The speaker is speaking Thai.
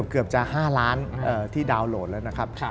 เกือบจะ๕ล้านที่ดาวน์โหลดแล้วนะครับ